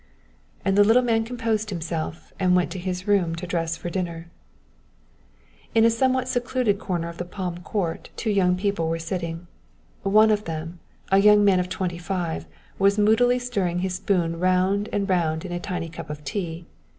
And the little man composed himself and went to his room to dress for dinner. In a somewhat secluded corner of the Palm Court two young people were sitting. One of them, a young man of twenty five was moodily stirring his spoon round and round in a tiny cup of tea.